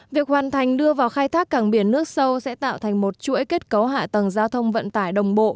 việc hoàn thành đưa vào khai thác cảng biển nước sâu sẽ tạo thành một chuỗi kết cấu hạ tầng giao thông vận tải đồng bộ